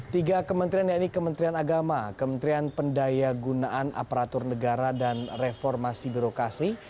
tiga kementerian yaitu kementerian agama kementerian pendaya gunaan aparatur negara dan reformasi birokrasi